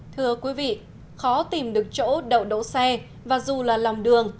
thưa quý vị khó tìm được chỗ đậu đỗ xe và dù là lòng đường